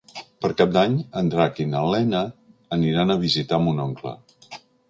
Per Cap d'Any en Drac i na Lena aniran a visitar mon oncle.